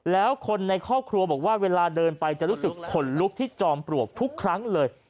แล้วคนในครอบครัวบอกว่าเวลาเดินไปจะรู้สึกขนลุกที่จอมปลวกทุกครั้งเลย